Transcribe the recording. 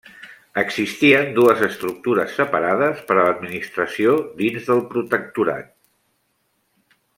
Existien dues estructures separades per a l'administració dins del protectorat.